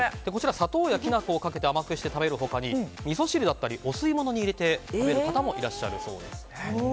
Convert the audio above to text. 砂糖や、きな粉をかけて甘くして食べる他にみそ汁やお吸い物に入れて食べる方もいらっしゃるそうですね。